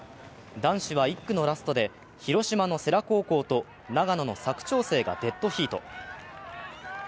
男子は１区のラストで広島の世羅高校と長野の佐久長聖がデッドヒート。